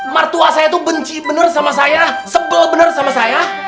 martuah saya tuh benci bener sama saya sebel bener sama saya